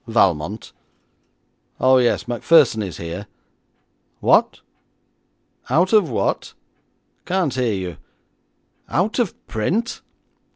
Valmont. Oh, yes; Macpherson is here. What? Out of what? Can't hear you. Out of print.